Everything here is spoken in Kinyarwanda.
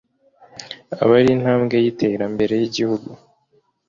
aba ari intambwe y’iterambere y’igihugu